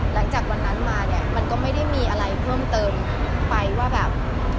หลังจากวันนั้นมาเนี่ยมันก็ไม่ได้มีอะไรเพิ่มเติมไปว่าแบบ